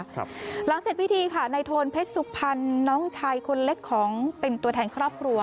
หลังเสร็จพิธีค่ะในโทนเพชรสุพรรณน้องชายคนเล็กของเป็นตัวแทนครอบครัว